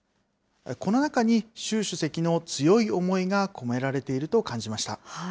この中に、習主席の強い思いが込められていると感じました。